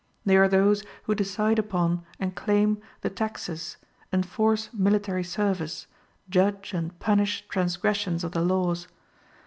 They are those who decide upon and claim the taxes, enforce military service, judge and punish transgressions of the laws.